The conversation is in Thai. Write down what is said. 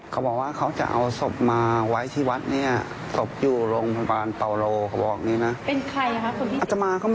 คิดว่าน่าจะถูกหลอกและอยากจะเตือนเป็นอุทหรณ์ไปยังวัดอื่นด้วยครับ